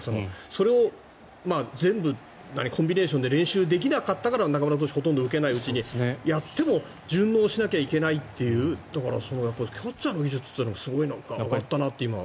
それを全部コンビネーションで練習できなかったから中村捕手ほとんどとれないうちになったとしても順応しなきゃいけないというキャッチャーの技術がすごい上がったなというのが。